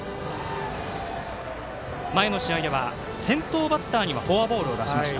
前の試合では先頭バッターにフォアボールを出しました。